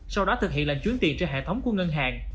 sau đó thực hiện lành chuyến tiền trên hệ thống của ngân hàng